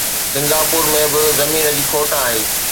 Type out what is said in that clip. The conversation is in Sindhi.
سنگاپور ۾ به زمين جي کوٽ آهي.